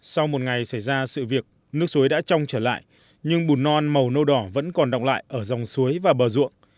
sau một ngày xảy ra sự việc nước suối đã trong trở lại nhưng bùn non màu nâu đỏ vẫn còn động lại ở dòng suối và bờ ruộng